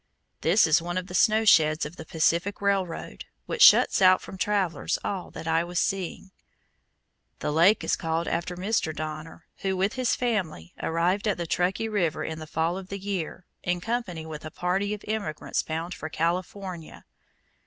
This is one of the snow sheds of the Pacific Railroad, which shuts out from travelers all that I was seeing. The lake is called after Mr. Donner, who, with his family, arrived at the Truckee River in the fall of the year, in company with a party of emigrants bound for California.